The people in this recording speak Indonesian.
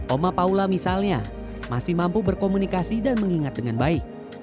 oma paula misalnya masih mampu berkomunikasi dan mengingat dengan baik